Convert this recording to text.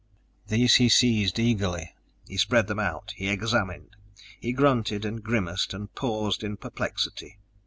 These he seized eagerly. He spread them out; he examined; he grunted and grimaced and paused in perplexity.